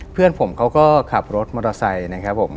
เพื่อนผมเขาก็ขับรถมอเตอร์ไซค์นะครับผม